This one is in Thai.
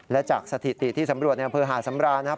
และจากสถิติที่สำรวจในอำเภอหาดสำราญนะครับ